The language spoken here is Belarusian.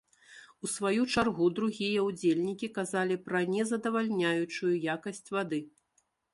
У сваю чаргу другія ўдзельнікі казалі пра незадавальняючую якасць вады.